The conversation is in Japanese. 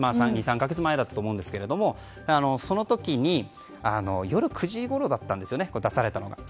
２３か月前だったと思うんですけどその時に夜９時ごろだったんですね出されたのが。